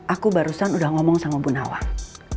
aku barusan udah ngomong sama bu nawang